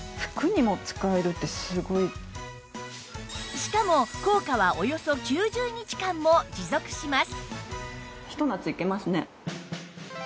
しかも効果はおよそ９０日間も持続します